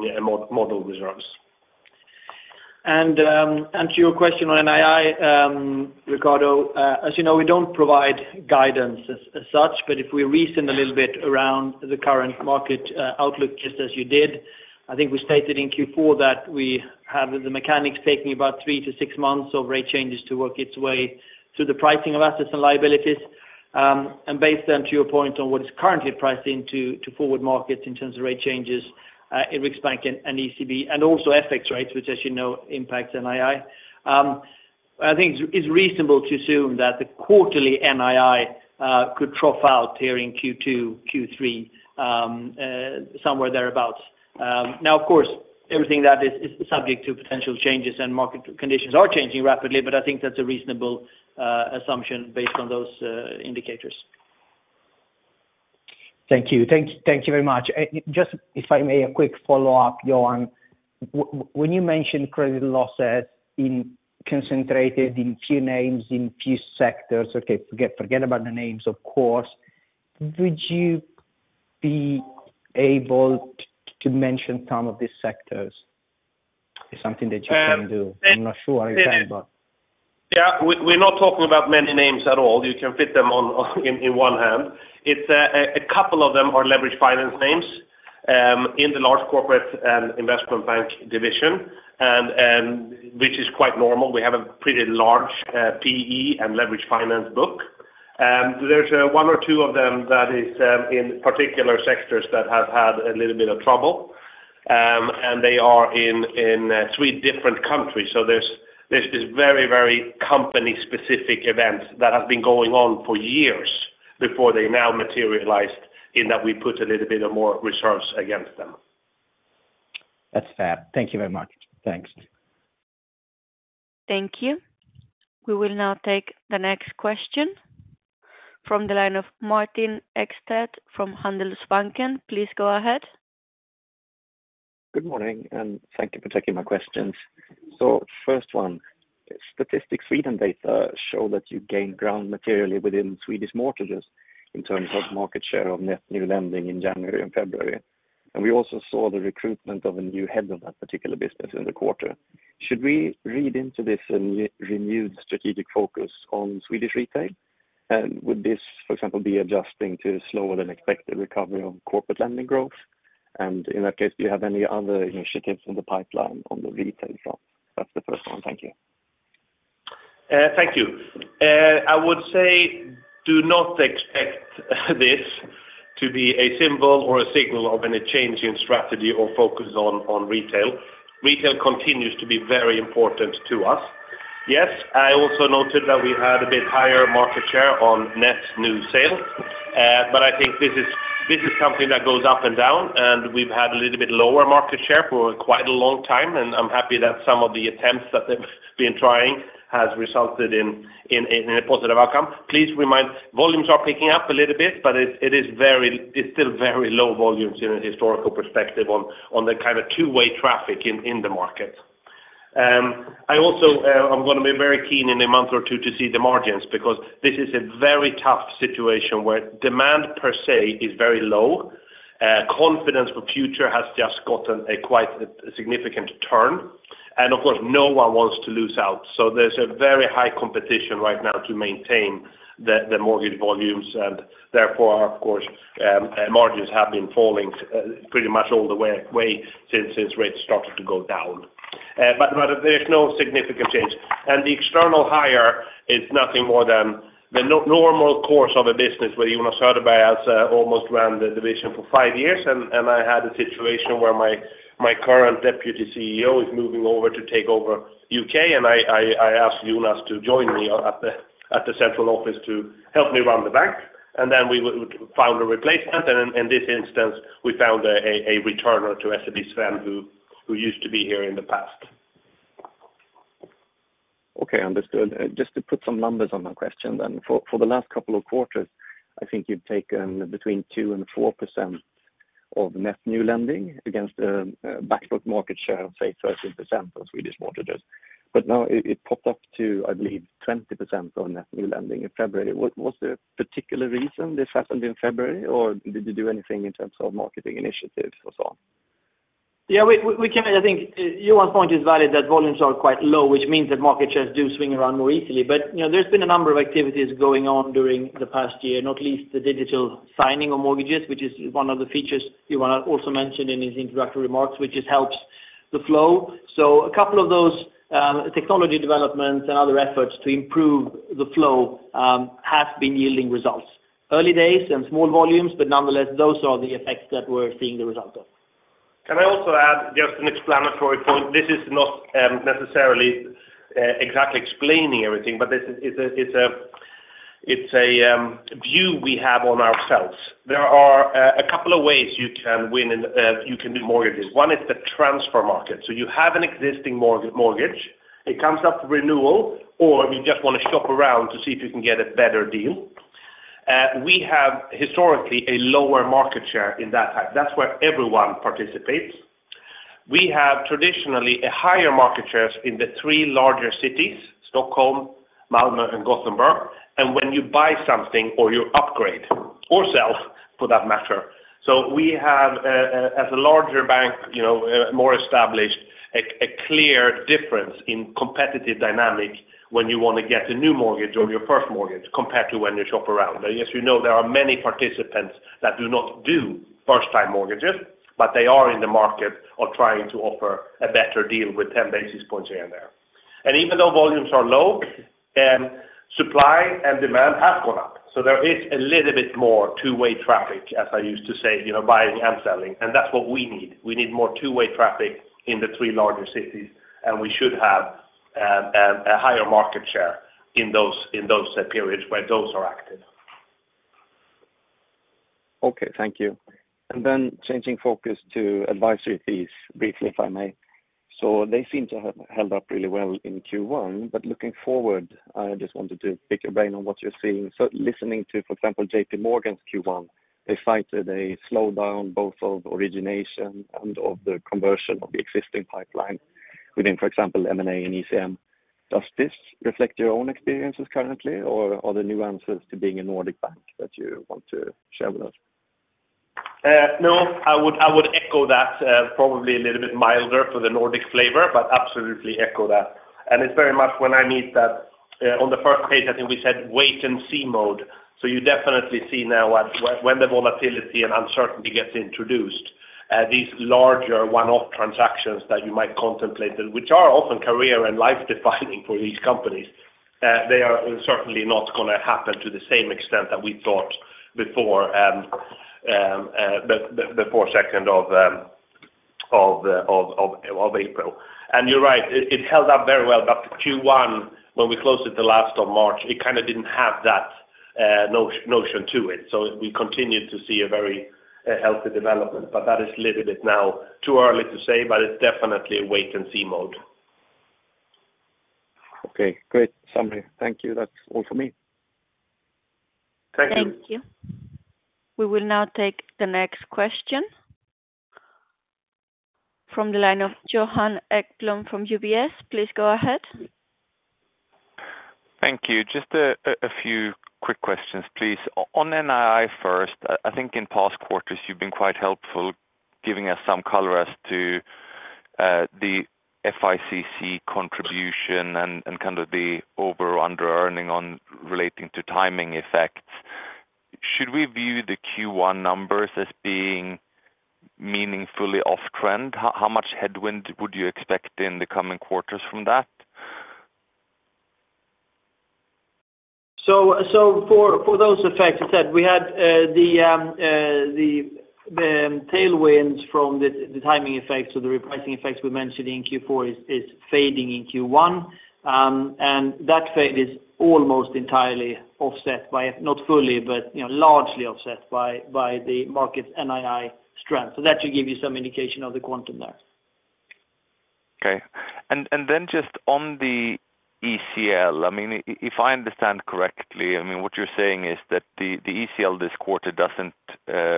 model reserves. To your question on NII, Ricardo, as you know, we do not provide guidance as such, but if we reason a little bit around the current market outlook, just as you did, I think we stated in Q4 that we have the mechanics taking about three to six months of rate changes to work its way through the pricing of assets and liabilities. Based on your point on what is currently priced into forward markets in terms of rate changes in Riksbank and ECB, and also FX rates, which, as you know, impacts NII, I think it is reasonable to assume that the quarterly NII could trough out here in Q2, Q3, somewhere thereabouts. Of course, everything is subject to potential changes and market conditions are changing rapidly, but I think that is a reasonable assumption based on those indicators. Thank you. Thank you very much. Just if I may, a quick follow-up, Johan. When you mentioned credit losses concentrated in few names, in few sectors, okay, forget about the names, of course, would you be able to mention some of these sectors? It's something that you can do. I'm not sure I can, but. Yeah. We're not talking about many names at all. You can fit them in one hand. A couple of them are leverage finance names in the large corporate and investment bank division, which is quite normal. We have a pretty large PE and leverage finance book. There's one or two of them that is in particular sectors that have had a little bit of trouble. And they are in three different countries. There is this very, very company-specific event that has been going on for years before they now materialized in that we put a little bit more reserves against them. That is fair. Thank you very much. Thanks. Thank you. We will now take the next question from the line of Martin Ekstedt from Handelsbanken. Please go ahead. Good morning, and thank you for taking my questions. First, statistics read and data show that you gained ground materially within Swedish mortgages in terms of market share of net new lending in January and February. We also saw the recruitment of a new head of that particular business in the quarter. Should we read into this renewed strategic focus on Swedish retail? Would this, for example, be adjusting to slower than expected recovery of corporate lending growth? In that case, do you have any other initiatives in the pipeline on the retail front? That's the first one. Thank you. Thank you. I would say do not expect this to be a symbol or a signal of any change in strategy or focus on retail. Retail continues to be very important to us. Yes, I also noted that we had a bit higher market share on net new sales. I think this is something that goes up and down. We have had a little bit lower market share for quite a long time. I am happy that some of the attempts that they have been trying have resulted in a positive outcome. Please remind, volumes are picking up a little bit, but it is still very low volumes in a historical perspective on the kind of two-way traffic in the market. I'm going to be very keen in a month or two to see the margins because this is a very tough situation where demand per se is very low. Confidence for future has just gotten a quite significant turn. Of course, no one wants to lose out. There is a very high competition right now to maintain the mortgage volumes. Therefore, margins have been falling pretty much all the way since rates started to go down. There is no significant change. The external hire is nothing more than the normal course of a business where Jonas Söderberg has almost run the division for five years. I had a situation where my current Deputy CEO is moving over to take over U.K. I asked Jonas to join me at the central office to help me run the bank. Then we found a replacement. In this instance, we found a returner to SEB, Sven, who used to be here in the past. Okay. Understood. Just to put some numbers on my question then, for the last couple of quarters, I think you've taken between 2% and 4% of net new lending against the backlog market share of, say, 13% of Swedish mortgages. Now it popped up to, I believe, 20% of net new lending in February. Was there a particular reason this happened in February, or did you do anything in terms of marketing initiatives or so? Yeah. I think Johan's point is valid that volumes are quite low, which means that market shares do swing around more easily. There has been a number of activities going on during the past year, not least the digital signing of mortgages, which is one of the features you want to also mention in his introductory remarks, which just helps the flow. A couple of those technology developments and other efforts to improve the flow have been yielding results. Early days and small volumes, but nonetheless, those are the effects that we are seeing the result of. Can I also add just an explanatory point? This is not necessarily exactly explaining everything, but it is a view we have on ourselves. There are a couple of ways you can win and you can do mortgages. One is the transfer market. You have an existing mortgage, it comes up for renewal, or you just want to shop around to see if you can get a better deal. We have historically a lower market share in that type. That is where everyone participates. We have traditionally a higher market share in the three larger cities, Stockholm, Malmö, and Gothenburg. When you buy something or you upgrade or sell for that matter, we have, as a larger bank, more established, a clear difference in competitive dynamic when you want to get a new mortgage or your first mortgage compared to when you shop around. As you know, there are many participants that do not do first-time mortgages, but they are in the market of trying to offer a better deal with 10 basis points here and there. Even though volumes are low, supply and demand have gone up. There is a little bit more two-way traffic, as I used to say, buying and selling. That is what we need. We need more two-way traffic in the three larger cities, and we should have a higher market share in those periods where those are active. Okay. Thank you. Changing focus to advisory fees, briefly, if I may. They seem to have held up really well in Q1, but looking forward, I just wanted to pick your brain on what you're seeing. Listening to, for example, JPMorgan's Q1, they cited a slowdown both of origination and of the conversion of the existing pipeline within, for example, M&A and ECM. Does this reflect your own experiences currently, or are there nuances to being a Nordic bank that you want to share with us? No, I would echo that, probably a little bit milder for the Nordic flavor, but absolutely echo that. It is very much when I meet that on the first page, I think we said wait and see mode. You definitely see now when the volatility and uncertainty gets introduced, these larger one-off transactions that you might contemplate, which are often career and life-defining for these companies, they are certainly not going to happen to the same extent that we thought before the second of April. You are right, it held up very well. Q1, when we closed it the last of March, it kind of did not have that notion to it. We continued to see a very healthy development, but that is a little bit now too early to say, but it is definitely a wait and see mode. Okay. Great. Thank you. That is all for me. Thank you. Thank you. We will now take the next question from the line of Johan Ekblom from UBS. Please go ahead. Thank you. Just a few quick questions, please. On NII first, I think in past quarters, you've been quite helpful giving us some color as to the FICC contribution and kind of the over or under earning relating to timing effects. Should we view the Q1 numbers as being meaningfully off-trend? How much headwind would you expect in the coming quarters from that? For those effects, we said we had the tailwinds from the timing effects. The repricing effects we mentioned in Q4 is fading in Q1. That fade is almost entirely offset by, not fully, but largely offset by the Markets' NII strength. That should give you some indication of the quantum there. Okay. Just on the ECL, I mean, if I understand correctly, what you're saying is that the ECL this quarter doesn't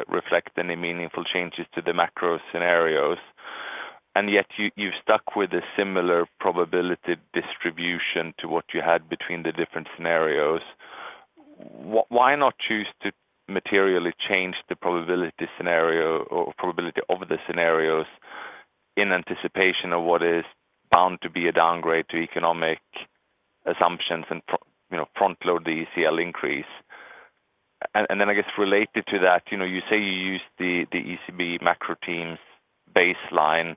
reflect any meaningful changes to the macro scenarios. Yet you've stuck with a similar probability distribution to what you had between the different scenarios. Why not choose to materially change the probability scenario or probability of the scenarios in anticipation of what is bound to be a downgrade to economic assumptions and front-load the ECL increase? I guess related to that, you say you used the SEB macro team's baseline.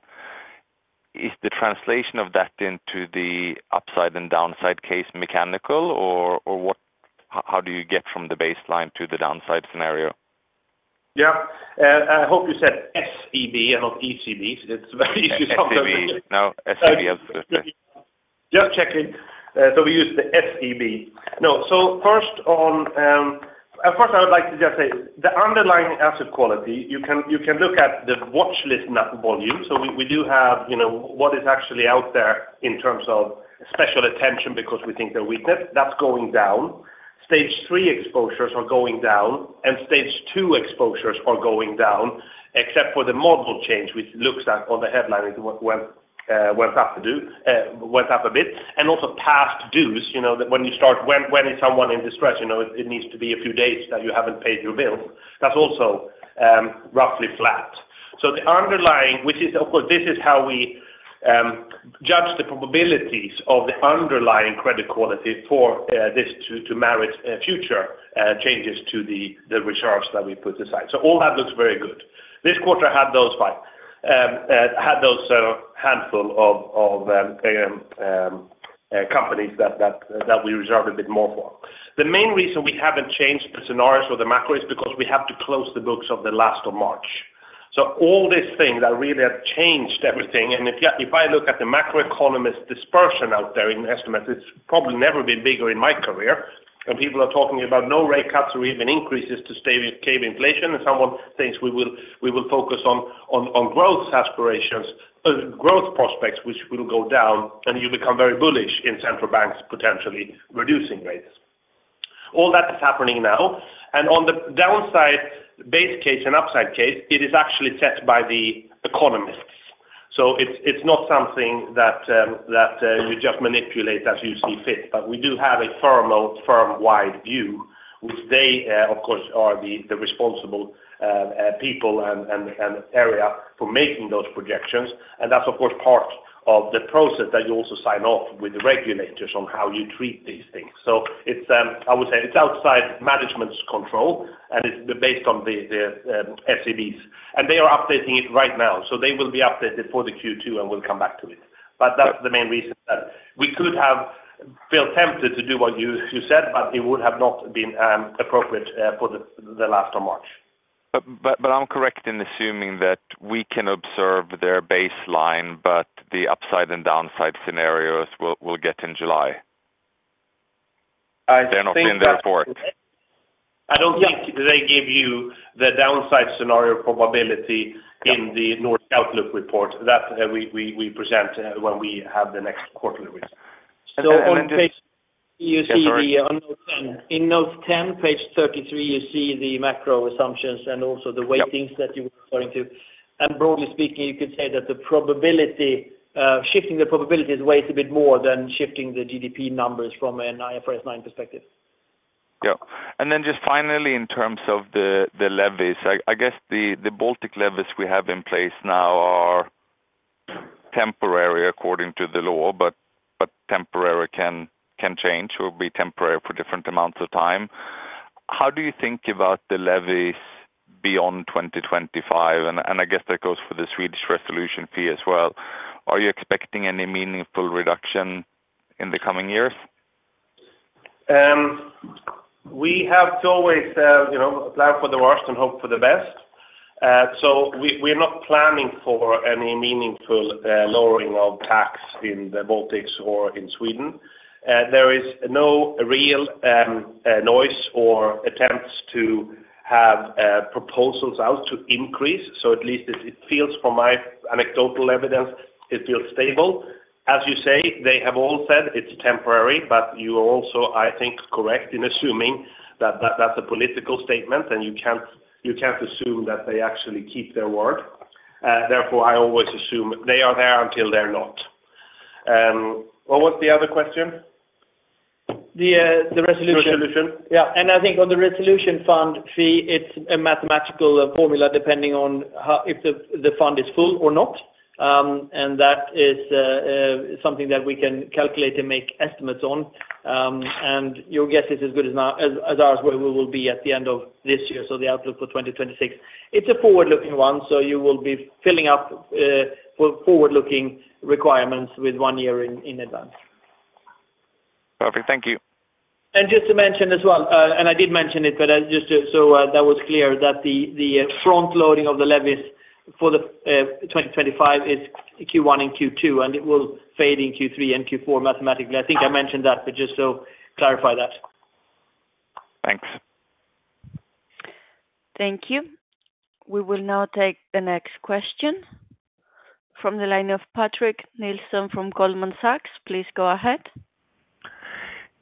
Is the translation of that into the upside and downside case mechanical, or how do you get from the baseline to the downside scenario? Yeah. I hope you said SEB and not ECB. It's very easy to say. SEB. No, SEB, absolutely. Just checking. We used the SEB. No. First, I would like to just say the underlying asset quality, you can look at the watchlist net volume. We do have what is actually out there in terms of special attention because we think there is weakness. That is going down. Stage 3 exposures are going down, and Stage 2 exposures are going down, except for the model change, which looks at what the headline went up to do, went up a bit. Also, past dues, when you start, when is someone in distress? It needs to be a few days that you have not paid your bills. That is also roughly flat. The underlying, which is, of course, this is how we judge the probabilities of the underlying credit quality for this to merit future changes to the reserves that we put aside. All that looks very good. This quarter had those five, had those handful of companies that we reserved a bit more for. The main reason we have not changed the scenarios or the macro is because we have to close the books of the last of March. All these things that really have changed everything. If I look at the macroeconomist dispersion out there in estimates, it has probably never been bigger in my career. People are talking about no rate cuts or even increases to stave inflation. Someone thinks we will focus on growth aspirations, growth prospects, which will go down, and you become very bullish in central banks potentially reducing rates. All that is happening now. On the downside, base case and upside case, it is actually set by the economists. It is not something that you just manipulate as you see fit. We do have a firm-wide view, which they, of course, are the responsible people and area for making those projections. That is, of course, part of the process that you also sign off with the regulators on how you treat these things. I would say it's outside management's control, and it's based on SEB's. They are updating it right now. They will be updated for Q2, and we'll come back to it. That is the main reason that we could have felt tempted to do what you said, but it would have not been appropriate for the last of March. I'm correct in assuming that we can observe their baseline, but the upside and downside scenarios will get in July. They're not in the report. I don't think they give you the downside scenario probability in the Nordic Outlook report that we present when we have the next quarterly report. On page 10, you see in note 10, page 33, you see the macro assumptions and also the weightings that you were referring to. Broadly speaking, you could say that the probability shifting, the probability is way a bit more than shifting the GDP numbers from an IFRS 9 perspective. Yeah. Finally, in terms of the levies, I guess the Baltic levies we have in place now are temporary according to the law, but temporary can change or be temporary for different amounts of time. How do you think about the levies beyond 2025? I guess that goes for the Swedish resolution fee as well. Are you expecting any meaningful reduction in the coming years? We have to always plan for the worst and hope for the best. We're not planning for any meaningful lowering of tax in the Baltics or in Sweden. There is no real noise or attempts to have proposals out to increase. At least it feels from my anecdotal evidence, it feels stable. As you say, they have all said it's temporary, but you are also, I think, correct in assuming that that's a political statement, and you can't assume that they actually keep their word. Therefore, I always assume they are there until they're not. What was the other question? The resolution. Resolution. I think on the Resolution Fund fee, it's a mathematical formula depending on if the fund is full or not. That is something that we can calculate and make estimates on. Your guess is as good as ours will be at the end of this year, so the outlook for 2026. It is a forward-looking one, so you will be filling up forward-looking requirements with one year in advance. Perfect. Thank you. Just to mention as well, and I did mention it, but just so that was clear that the front-loading of the levies for 2025 is Q1 and Q2, and it will fade in Q3 and Q4 mathematically. I think I mentioned that, but just to clarify that. Thanks. Thank you. We will now take the next question from the line of Martin Nielsen from Goldman Sachs. Please go ahead.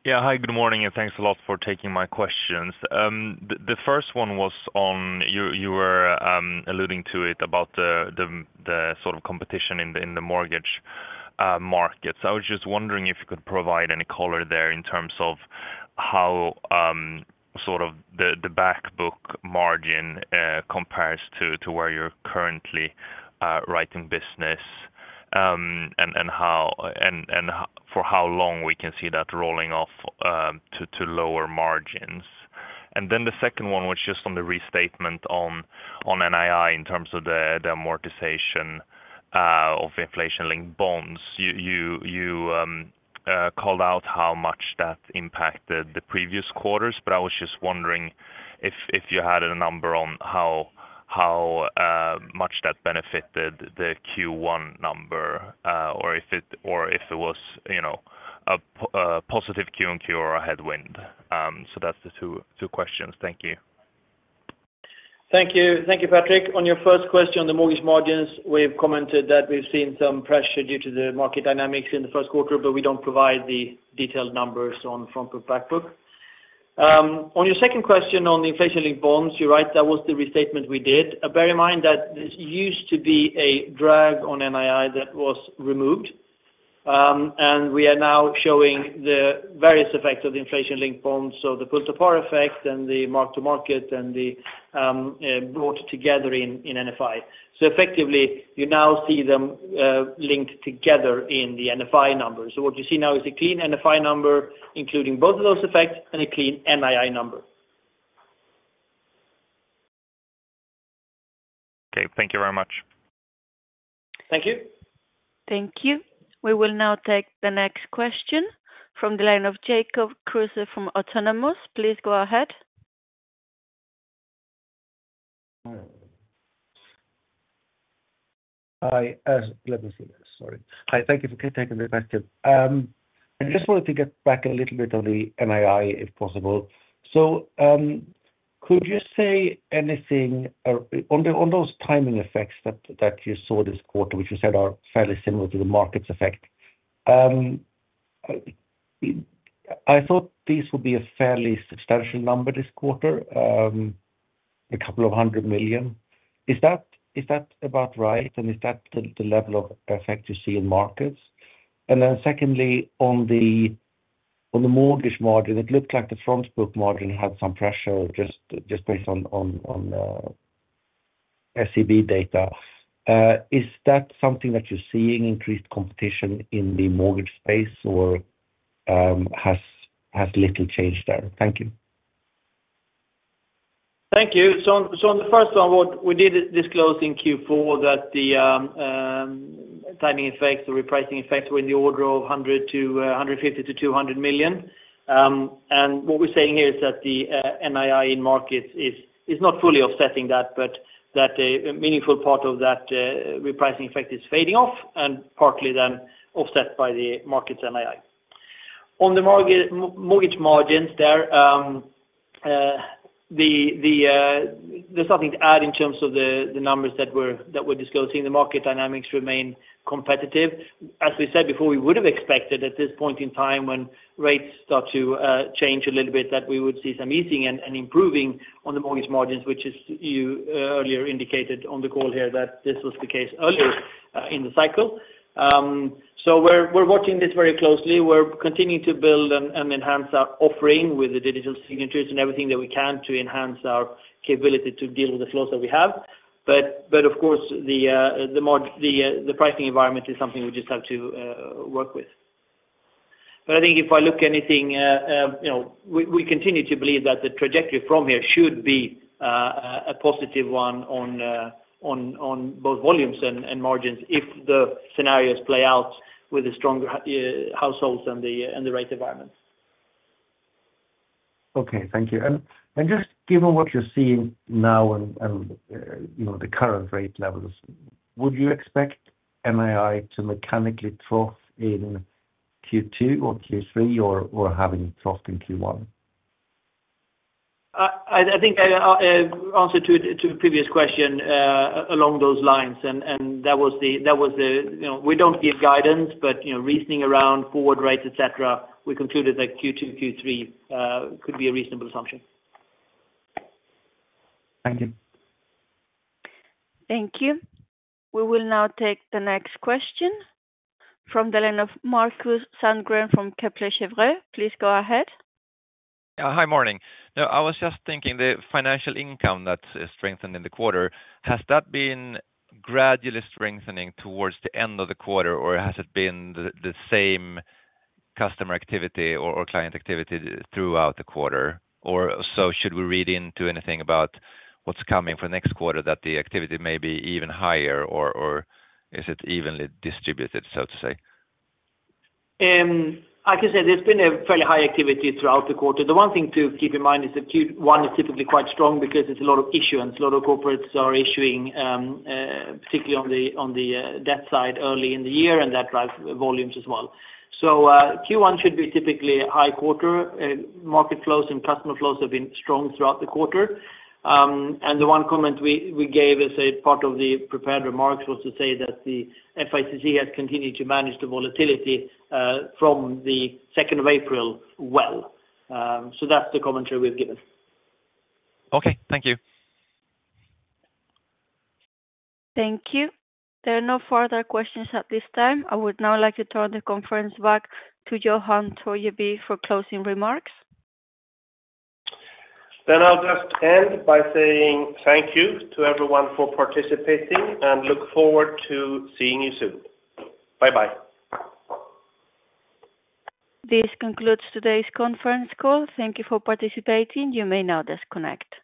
Yeah. Hi, good morning, and thanks a lot for taking my questions. The first one was on you were alluding to it about the sort of competition in the mortgage market. I was just wondering if you could provide any color there in terms of how sort of the backbook margin compares to where you're currently writing business and for how long we can see that rolling off to lower margins. The second one was just on the restatement on NII in terms of the amortization of inflation-linked bonds. You called out how much that impacted the previous quarters, but I was just wondering if you had a number on how much that benefited the Q1 number or if it was a positive Q-on-Q or a headwind. That's the two questions. Thank you. Thank you. Thank you, Patrick. On your first question on the mortgage margins, we've commented that we've seen some pressure due to the market dynamics in the Q1, but we don't provide the detailed numbers on front-book back-book. On your second question on the inflation-linked bonds, you're right, that was the restatement we did. Bear in mind that this used to be a drag on NII that was removed, and we are now showing the various effects of the inflation-linked bonds, the pull-to-par effect and the mark-to-market, and they are brought together in NFI. Effectively, you now see them linked together in the NFI number. What you see now is a clean NFI number, including both of those effects, and a clean NII number. Okay. Thank you very much. Thank you. Thank you. We will now take the next question from the line of Jacob Kruse from Autonomous. Please go ahead. Hi. Let me see this. Sorry. Hi. Thank you for taking the question. I just wanted to get back a little bit on the NII, if possible. Could you say anything on those timing effects that you saw this quarter, which you said are fairly similar to the markets' effect? I thought these would be a fairly substantial number this quarter, a couple of hundred million. Is that about right? Is that the level of effect you see in markets? Secondly, on the mortgage margin, it looked like the front-book margin had some pressure just based on SEB data. Is that something that you're seeing, increased competition in the mortgage space, or has little changed there? Thank you. Thank you. On the first one, what we did disclose in Q4 was that the timing effects or repricing effects were in the order of 150 million-200 million. What we are saying here is that the NII in markets is not fully offsetting that, but that a meaningful part of that repricing effect is fading off and partly then offset by the markets' NII. On the mortgage margins there, there is nothing to add in terms of the numbers that we are disclosing. The market dynamics remain competitive. As we said before, we would have expected at this point in time when rates start to change a little bit that we would see some easing and improving on the mortgage margins, which you earlier indicated on the call here that this was the case earlier in the cycle. We are watching this very closely. We are continuing to build and enhance our offering with the digital signatures and everything that we can to enhance our capability to deal with the flows that we have. Of course, the pricing environment is something we just have to work with. I think if I look anything, we continue to believe that the trajectory from here should be a positive one on both volumes and margins if the scenarios play out with the stronger households and the rate environment. Okay. Thank you. Just given what you're seeing now and the current rate levels, would you expect NII to mechanically trough in Q2 or Q3 or having troughed in Q1? I think I answered to a previous question along those lines, and that was that we do not give guidance, but reasoning around forward rates, etc., we concluded that Q2, Q3 could be a reasonable assumption. Thank you. Thank you. We will now take the next question from the line of Markus Sandgren from Kepler Cheuvreux. Please go ahead. Hi, morning. No, I was just thinking the financial income that's strengthened in the quarter, has that been gradually strengthening towards the end of the quarter, or has it been the same customer activity or client activity throughout the quarter? Should we read into anything about what's coming for next quarter that the activity may be even higher, or is it evenly distributed, so to say? I can say there's been a fairly high activity throughout the quarter. The one thing to keep in mind is that Q1 is typically quite strong because it's a lot of issuance. A lot of corporates are issuing, particularly on the debt side early in the year, and that drives volumes as well. Q1 should be typically a high quarter. Market flows and customer flows have been strong throughout the quarter. The one comment we gave as a part of the prepared remarks was to say that the FICC has continued to manage the volatility from the 2nd of April well. That is the commentary we have given. Okay. Thank you. Thank you. There are no further questions at this time. I would now like to turn the conference back to Johan Torgeby for closing remarks. I will just end by saying thank you to everyone for participating and look forward to seeing you soon. Bye-bye. This concludes today's conference call. Thank you for participating. You may now disconnect.